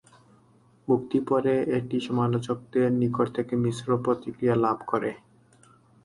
মুক্তি পরে এটি সমালোচকদের নিকট থেকে মিশ্র প্রতিক্রিয়া লাভ করে।